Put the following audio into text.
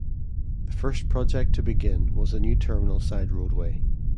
The first project to begin was a new terminal-side roadway.